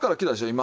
今。